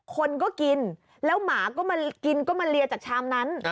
คนก็กินแล้วหมาก็มากินก็มาเลียจากชามนั้น